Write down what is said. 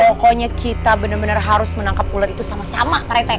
pokoknya kita bener bener harus menangkap ular itu sama sama pak retek